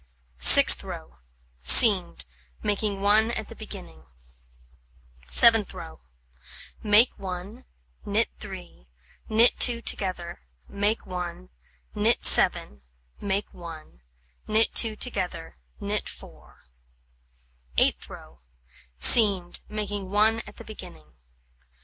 Sixth row: Seamed, making 1 at the beginning. Seventh row: Make 1, knit 3, knit 2 together, make 1, knit 7, make 1, knit 2 together, knit 4. Eighth row: Seamed, making 1 at the beginning.